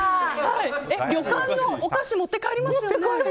旅館のお菓子持って帰りますよね。